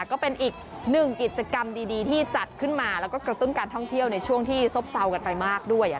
ก็เป็นอีกหนึ่งกิจกรรมดีที่จัดขึ้นมาแล้วก็กระตุ้นการท่องเที่ยวในช่วงที่ซบเซากันไปมากด้วย